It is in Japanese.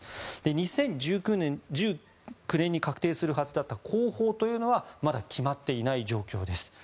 ２０１９年に確定するはずだった工法というのはまだ決まっていない状況です。